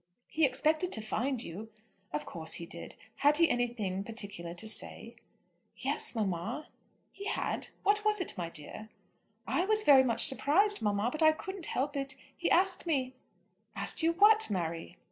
"He expected to find you." "Of course he did. Had he anything particular to say!" "Yes, mamma." "He had? What was it, my dear?" "I was very much surprised, mamma, but I couldn't help it. He asked me " "Asked you what, Mary?"